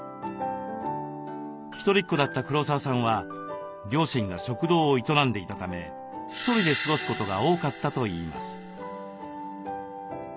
ひとりっ子だった黒沢さんは両親が食堂を営んでいたためひとりで過ごすことが多かったといいます。